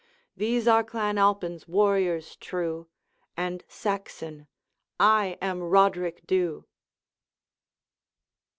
These are Clan Alpine's warriors true; And, Saxon, I am Roderick Dhu!' X.